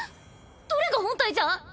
どれが本体じゃ？